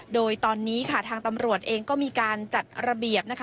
โดยตอนนี้ค่ะทางตำรวจเองก็มีการจัดระเบียบนะคะ